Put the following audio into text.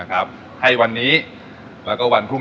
ก็เลยเริ่มต้นจากเป็นคนรักเส้น